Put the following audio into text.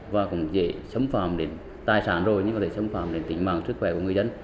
và cũng dễ xâm phạm đến tài sản rồi nhưng có thể xâm phạm đến tính mạng sức khỏe của người dân